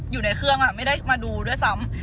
อยู่ในเครื่องไม่ได้มาดูด้วยซ้ำ